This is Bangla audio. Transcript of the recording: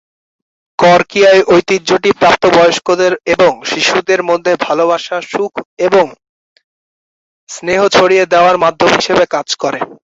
ক্বরক্বিয়ায় ঐতিহ্যটি প্রাপ্তবয়স্কদের এবং শিশুদের মধ্যে ভালবাসা, সুখ এবং স্নেহ ছড়িয়ে দেওয়ার মাধ্যম হিসেবে কাজ করে।